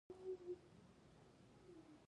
هیلۍ له کورنۍ سره ژوند ته ارزښت ورکوي